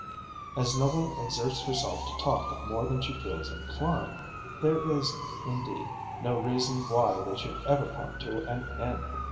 As no one exerts herself to talk more than she feels inclined, there is, indeed, no reason why they should ever come to an end.